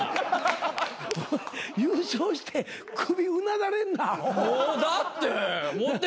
優勝して首うなだれんなアホ。